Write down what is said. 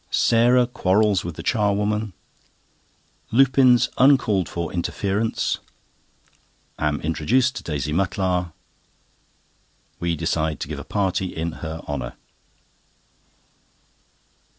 Sarah quarrels with the charwoman. Lupin's uncalled for interference. Am introduced to Daisy Mutlar. We decide to give a party in her honour.